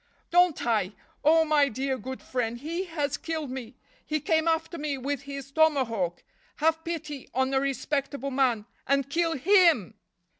"Don't I! Oh, my dear, good friend, he has killed me! He came after me with his tomahawk. Have pity on a respectable man and kill him!"